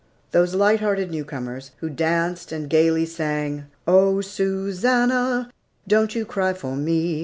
Those light hearted newcomers, who danced and gayly sang, O Susannah, don't you cry for me!